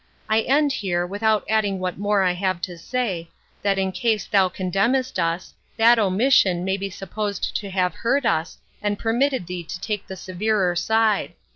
I end here, without adding what more I have to say, that in case thou condemnest us, that omission may be supposed to have hurt us, and permitted thee to take the severer side.